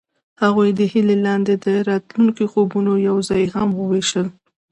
هغوی د هیلې لاندې د راتلونکي خوبونه یوځای هم وویشل.